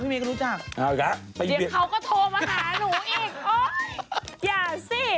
เดี๋ยวเขาก็โทรมาหาหนูอีกโอ๊ยอย่าสิ